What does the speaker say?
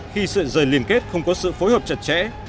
khi sự rời liên kết không có sự phối hợp chặt chẽ